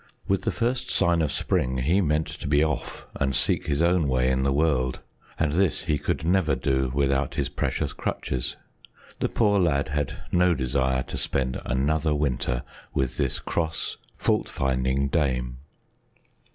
With the first sign of spring, he meant to be off and seek his own way in the world, and this he could never do without his precious crutches. The poor lad had no desire to spend another winter with this cross, fault finding dame.